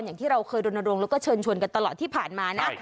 อย่างที่เราเคยรณรงค์แล้วก็เชิญชวนกันตลอดที่ผ่านมานะ